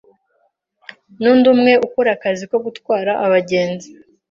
n’undi umwe ukora akazi ko gutwara abagenzi